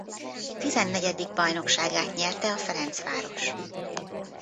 Tizennegyedik bajnokságát nyerte a Ferencváros.